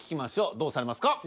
どうされますか？